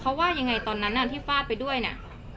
เขาว่ายังไงตอนนั้นที่ฟาดไปด้วยเนี่ย